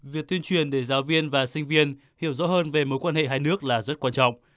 việc tuyên truyền để giáo viên và sinh viên hiểu rõ hơn về mối quan hệ hai nước là rất quan trọng